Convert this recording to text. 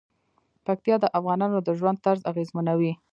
پکتیا د افغانانو د ژوند طرز اغېزمنوي.